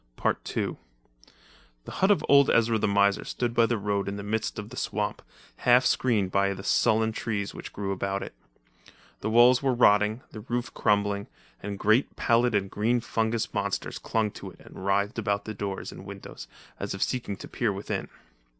II[edit] The hut of old Ezra the miser stood by the road in the midst of the swamp, half screened by the sullen trees which grew about it. The wall were rotting, the roof crumbling, and great pallid and green fungus monsters clung to it and writhed about the doors and windows, as if seeking to peer within.